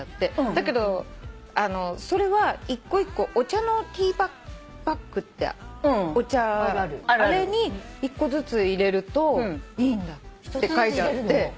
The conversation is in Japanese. だけどそれは一個一個お茶のティーバッグってあれに一個ずつ入れるといいって書いてあって。